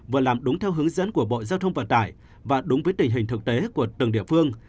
vừa làm đúng theo hướng dẫn của bộ giao thông vận tải và đúng với tình hình thực tế của từng địa phương